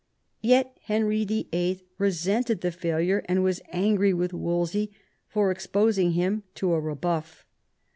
Yet Henry VIII. resented the failure, and was angry with Wolsey for exposing him to a rebuff.